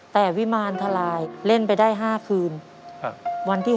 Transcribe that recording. แต่วิมาลทลายเล่นไปได้๕คืน